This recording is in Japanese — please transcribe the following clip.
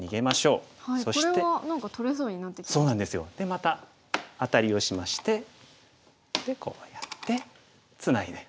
またアタリをしましてでこうやってツナいで。